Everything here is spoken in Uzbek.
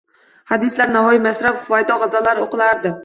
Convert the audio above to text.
Hadislar, Navoiy, Mashrab, Xuvaydo gʻazallari oʻqilardi